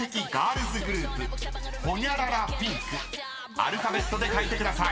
［アルファベットで書いてください］